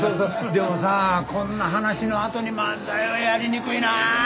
でもさこんな話のあとに漫才はやりにくいなあ。